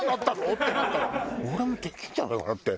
ってなったら俺もできんじゃないかなって